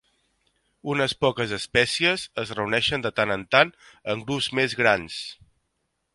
Unes poques espècies es reuneixen de tant en tant en grups més grans.